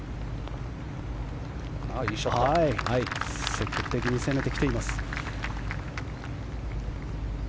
積極的に攻めてきています。